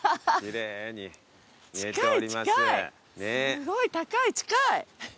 すごい高い近い！